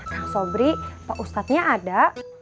kang sobri pak ustadznya ada